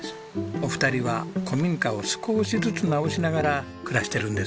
お二人は古民家を少しずつ直しながら暮らしてるんです。